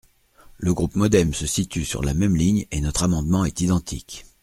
Le groupe MODEM se situe sur la même ligne et notre amendement est identique.